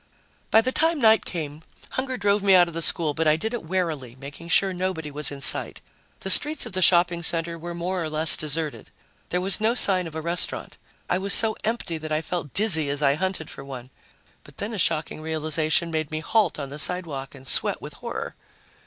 By the time night came, hunger drove me out of the school, but I did it warily, making sure nobody was in sight. The streets of the shopping center were more or less deserted. There was no sign of a restaurant. I was so empty that I felt dizzy as I hunted for one. But then a shocking realization made me halt on the sidewalk and sweat with horror.